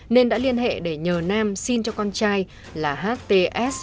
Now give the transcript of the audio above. nên đã liên hệ để nhờ nam xin cho con trai là hts